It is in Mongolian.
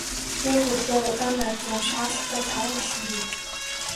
Би хөлөө удаанаар зөөн шаардлагатай таван алхам хийв.